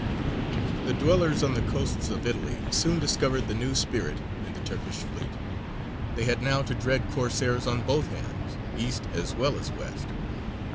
The dwellers on the coasts of Italy soon discovered the new spirit in the Turkish fleet; they had now to dread Corsairs on both hands, east as well as west.